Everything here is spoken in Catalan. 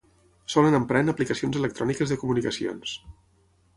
Solen emprar en aplicacions electròniques de comunicacions.